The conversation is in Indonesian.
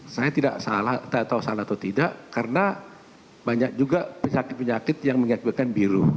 saya tidak salah atau tidak karena banyak juga penyakit penyakit yang mengakibatkan biru